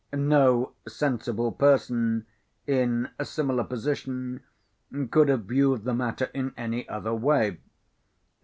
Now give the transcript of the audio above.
No sensible person, in a similar position, could have viewed the matter in any other way.